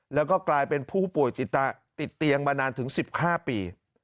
แล้วก็กลายเป็นผู้ป่วยติดเตียงมานานถึง๑๕ปี